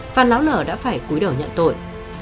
phan láo lở đã phải cúi đỡ nhận tội